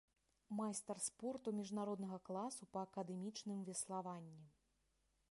Майстар спорту міжнароднага класа па акадэмічным веславанні.